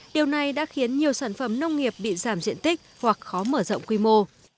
điều này đã khiến nhiều sản phẩm nông nghiệp bị giảm diện tích hoặc khó mở rộng quy mô